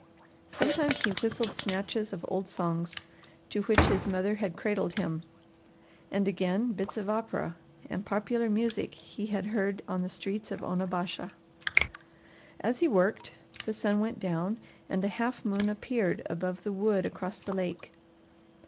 Sometimes he whistled snatches of old songs to which his mother had cradled him, and again bits of opera and popular music he had heard on the streets of Onabasha. As he worked, the sun went down and a half moon appeared above the wood across the lake.